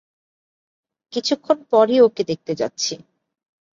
কিছুক্ষণ পরই ওকে দেখতে যাচ্ছি।